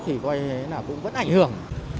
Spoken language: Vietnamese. thì coi thế là cũng vẫn ảnh hưởng